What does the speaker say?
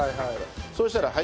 そうしたらはい。